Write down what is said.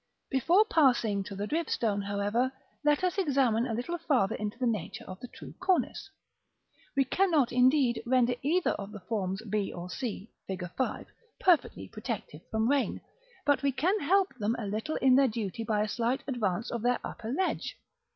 § VII. Before passing to the dripstone, however, let us examine a little farther into the nature of the true cornice. We cannot, indeed, render either of the forms b or c, Fig. V., perfectly protective from rain, but we can help them a little in their duty by a slight advance of their upper ledge.